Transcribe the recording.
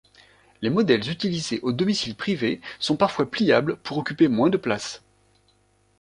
Les modèles utilisés au domicile privé sont parfois pliables pour occuper moins de place.